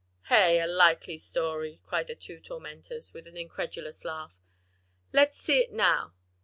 "Hey! a likely story!" cried the two tormentors, with an incredulous laugh. "Let's see it now?"